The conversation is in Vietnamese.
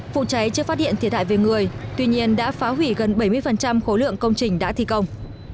vụ cháy chưa phát hiện thiệt hại về người tuy nhiên đã phá hủy gần bảy mươi khối lượng công trình đã thi công